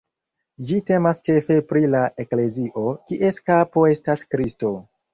Ĝi temas ĉefe pri la eklezio, kies kapo estas Kristo.